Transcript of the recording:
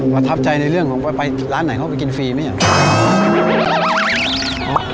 ประทับใจในเรื่องของไปร้านไหนเขาไปกินฟรีไหมเนี่ย